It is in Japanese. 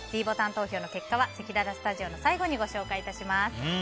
ｄボタン投票の結果はせきららスタジオの最後にご紹介致します。